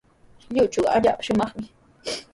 Lluychuqa allaapa shumaqmi.